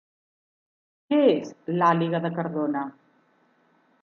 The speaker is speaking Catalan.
Què és l'Àliga de Cardona?